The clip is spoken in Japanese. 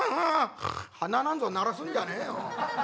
「鼻なんぞ鳴らすんじゃねえよ」。